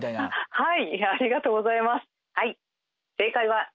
はい。